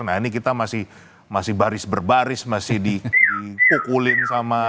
nah ini kita masih baris berbaris masih dipukulin sama